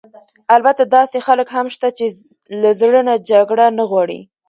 البته داسې خلک هم شته چې له زړه نه جګړه نه غواړي.